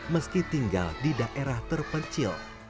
meski tinggal di daerah terpencil